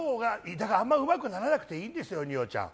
だからあまりうまくならなくていいんですよ、二葉ちゃん。